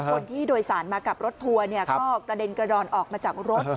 ผู้โดยสารมากับรถทัวร์ก็กระเด็นกระดอนออกมาจากรถ